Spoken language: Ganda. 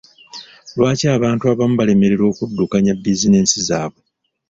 Lwaki bantu abamu balemererwa okudddukanya bizinensi zaabwe?